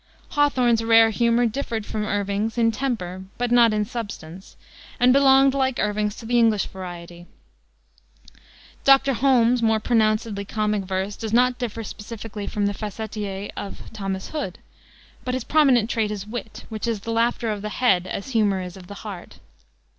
Hawthorne's rare humor differed from Irving's in temper but not in substance, and belonged, like Irving's, to the English variety. Dr. Holmes's more pronouncedly comic verse does not differ specifically from the facetiae of Thomas Hood, but his prominent trait is wit, which is the laughter of the head as humor is of the heart.